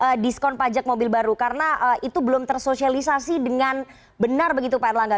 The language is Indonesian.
ada diskon pajak mobil baru karena itu belum tersosialisasi dengan benar begitu pak erlangga